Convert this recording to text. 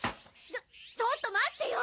ちょちょっと待ってよ！